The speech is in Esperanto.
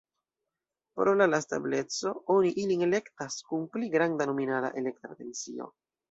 Pro la lasta ebleco oni ilin elektas kun pli granda nominala elektra tensio.